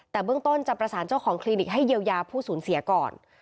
แต่เบื้องต้นจะประสานเจ้าของคลินิกให้เยียวยาผู้สูญเสียก่อน